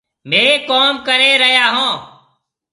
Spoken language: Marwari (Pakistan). ميه ڪوم ڪري ريا هون۔